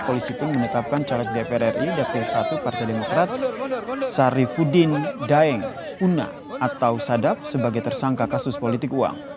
polisi pun menetapkan caleg dpr ri dapil satu partai demokrat sarifudin daeng una atau sadap sebagai tersangka kasus politik uang